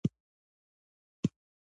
شپږم: ددې دمخه چي مړ سې، لومړی ژوند وکړه.